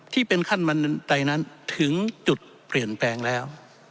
ที่เป็นขั้นบันไดนั้นถึงจุดเปลี่ยนแปลงแล้ว